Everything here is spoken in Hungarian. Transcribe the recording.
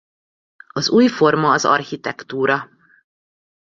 Az új forma az architektúra.